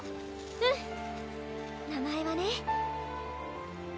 うん名前はね。